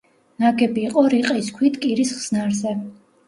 ნაგები იყო რიყის ქვით კირის ხსნარზე.